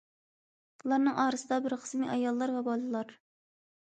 بۇلارنىڭ ئارىسىدا بىر قىسمى ئاياللار ۋە بالىلار.